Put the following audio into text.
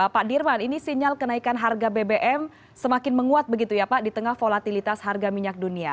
pak dirman ini sinyal kenaikan harga bbm semakin menguat begitu ya pak di tengah volatilitas harga minyak dunia